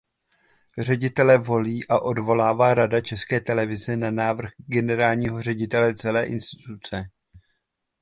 Ředitele volí a odvolává Rada České televize na návrh generálního ředitele celé instituce.